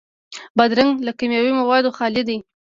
بادرنګ له کیمیاوي موادو خالي دی.